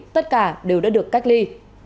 tất cả đều đã được cách ly